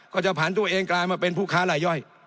จะผ่านตัวเองกลายมาเป็นผู้ค้าลายย่อย